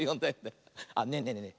あっねえねえねえね